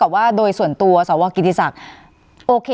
การแสดงความคิดเห็น